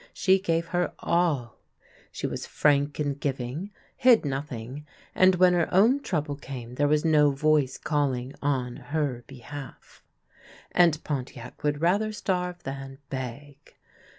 She gave her all ; she was frank in giving, hid nothing ; and when her own trouble came there was no voice calling on her behalf. And Pontiac would rather starve than beg.